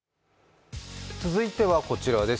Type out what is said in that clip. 続いてはこちらです。